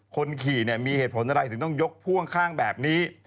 คนขี่มีเหตุผลอะไรถึงต้องยกพ่วงข้างแบบนี้